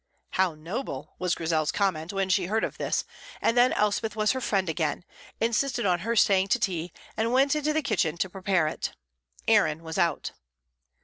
"How noble!" was Grizel's comment, when she heard of this; and then Elspeth was her friend again, insisted on her staying to tea, and went into the kitchen to prepare it. Aaron was out.